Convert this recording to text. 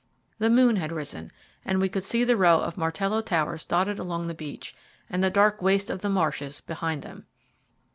The moon had risen, and we could see the row of Martello towers dotted along the beach, and the dark waste of the marshes behind them.